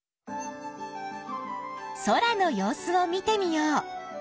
空の様子を見てみよう。